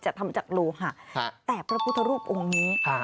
ทำจากโลหะแต่พระพุทธรูปองค์นี้